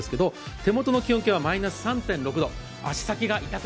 手元の気温計はマイナス３．６度。